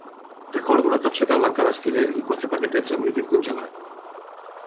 Recordo una capseta blanca d'estirè i quatre paquetets amb líquid congelat.